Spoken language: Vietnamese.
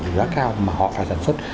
vì giá cao mà họ phải sản xuất